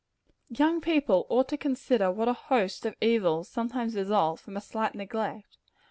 Young people ought to consider what a host of evils sometimes result from a slight neglect.